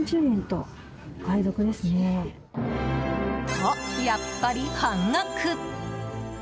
と、やっぱり半額！